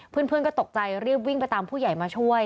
เพื่อนก็ตกใจรีบวิ่งไปตามผู้ใหญ่มาช่วย